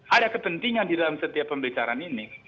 ada kepentingan di dalam setiap pembicaraan ini